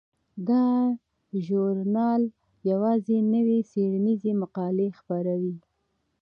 دا ژورنال یوازې نوې څیړنیزې مقالې خپروي.